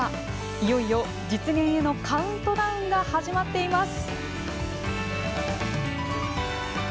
いよいよ実現へのカウントダウンが始まっています。